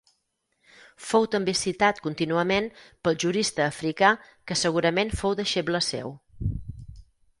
Fou també citat contínuament pel jurista Africà que segurament fou deixeble seu.